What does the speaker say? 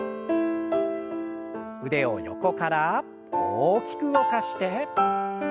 腕を横から大きく動かして。